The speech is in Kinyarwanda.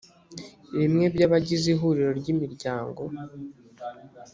rimwe by abagize ihuriro ry imiryango